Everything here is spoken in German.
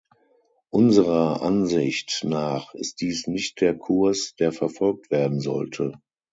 Unserer Ansicht nach ist dies nicht der Kurs, der verfolgt werden sollte.